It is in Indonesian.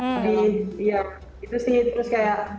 gitu sih terus kayak